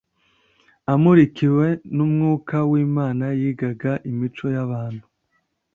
Amurikiwe n'Umwuka w'Imana, yigaga imico y'abantu